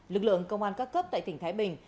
lực lượng công an các cấp tại tỉnh thái bình